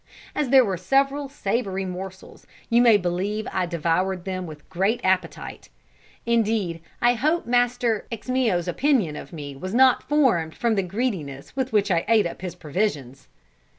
As there were several savoury morsels, you may believe I devoured them with great appetite indeed, I hope Master Ximio's opinion of me was not formed from the greediness with which I ate up his provisions.